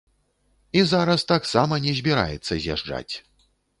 І зараз таксама не збіраецца з'язджаць.